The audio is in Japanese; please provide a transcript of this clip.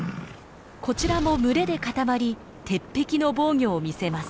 こちらも群れで固まり鉄壁の防御を見せます。